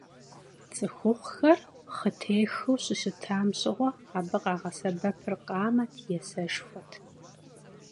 ЦӀыхухъухэр хъытехыу щыщытам щыгъуэ абы къагъэсэбэпыр къамэт е сэшхуэт.